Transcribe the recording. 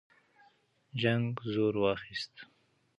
جنګ زور واخیست.